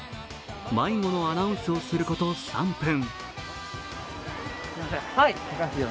迷子のアナウンスをすること３分。